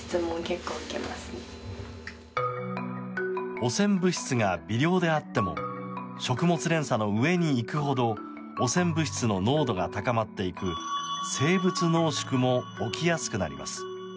汚染物質が微量であっても食物連鎖の上に行くほど汚染物質の濃度が高まっていく生物濃縮も起きやすくなります。